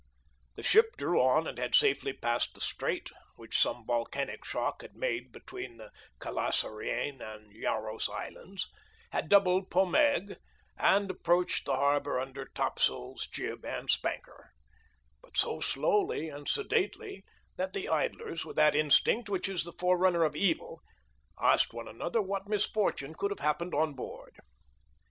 The ship drew on and had safely passed the strait, which some volcanic shock has made between the Calasareigne and Jaros islands; had doubled Pomègue, and approached the harbor under topsails, jib, and spanker, but so slowly and sedately that the idlers, with that instinct which is the forerunner of evil, asked one another what misfortune could have happened on board.